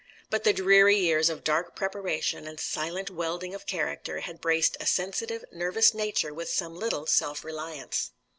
But the dreary years of dark preparation and silent welding of character had braced a sensitive, nervous nature with some little self reliance.